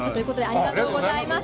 ありがとうございます。